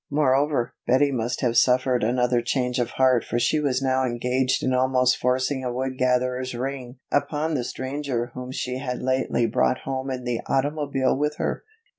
Moreover, Betty must have suffered another change of heart for she was now engaged in almost forcing a Wood Gatherer's ring upon the stranger whom she had lately brought home in the automobile with her.